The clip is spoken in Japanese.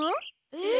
えっ？